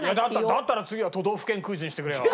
だったら次は都道府県クイズにしてくれよ。